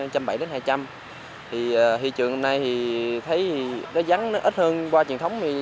thì thị trường hôm nay thì thấy nó dắn nó ít hơn qua truyền thống